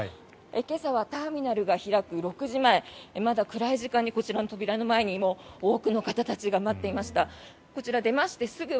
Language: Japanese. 今朝は、ターミナルが開く６時前まだ暗い時間にこちらの扉の前に多くの方たちが待っていました。